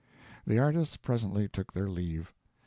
The artists presently took their leave.